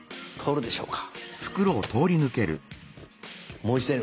通るでしょうか？